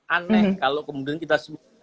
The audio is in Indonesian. aneh kalau kemudian kita semua